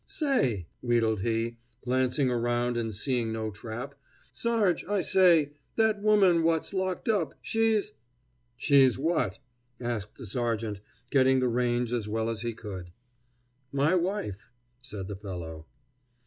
"Say," wheedled he, glancing around and seeing no trap, "serg, I say: that woman w'at's locked up, she's " "She's what?" asked the sergeant, getting the range as well as he could. "My wife," said the fellow.